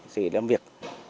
sẽ làm việc